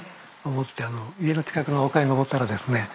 持って家の近くの丘に登ったらですね